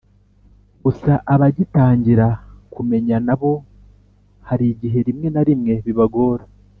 gusa abagitangira kumenyana bo hari igihe rimwe na rimwe bibagora.